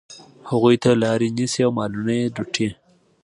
هغوی ته لاري نیسي او مالونه یې لوټي.